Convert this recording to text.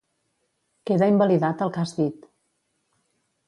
Queda invalidat el que has dit.